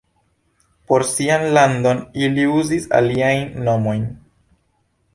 Por sian landon ili uzis aliajn nomojn.